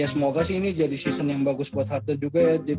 ya semoga sih ini jadi season yang bagus buat halte juga ya